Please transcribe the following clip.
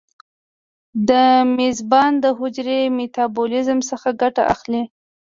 د میزبان د حجرې میتابولیزم څخه ګټه اخلي.